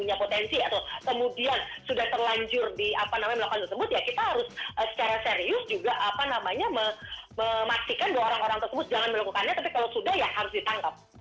punya potensi atau kemudian sudah terlanjur di apa namanya melakukan tersebut ya kita harus secara serius juga memastikan bahwa orang orang tersebut jangan melakukannya tapi kalau sudah ya harus ditangkap